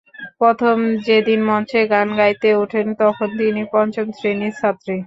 প্রথম যেদিন মঞ্চে গান গাইতে ওঠেন, তখন তিনি পঞ্চম শ্রেণির ছাত্রী।